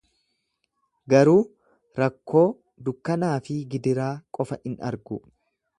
Garuu rakkoo, dukkanaa fi gidiraa qofa in argu.